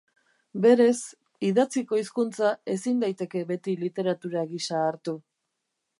Berez, idatziko hizkuntza ezin daiteke beti literatura gisa hartu.